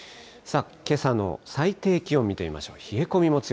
けさの最低気温見てみましょう。